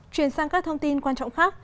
chuyển sang các thông tin quan trọng khác